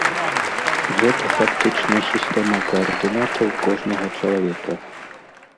Гэта фактычна сістэма каардынатаў кожнага чалавека.